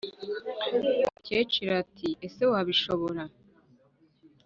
” umukecuru ati:” ese wabishobora,